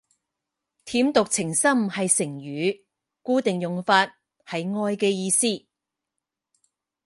舐犢情深係成語，固定用法，係愛嘅意思